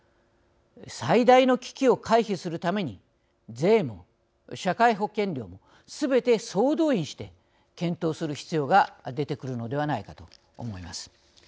最大の危機を回避するために税も社会保険料もすべて総動員して検討する必要が出てくるのではないかと思います。